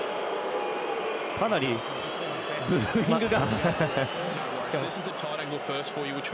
かなりブーイングが。